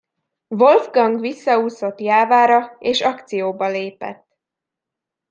Wolfgang visszaúszott Jávára, és akcióba lépett.